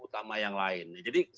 utama yang lain jadi